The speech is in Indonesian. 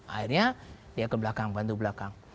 akhirnya dia ke belakang bantu belakang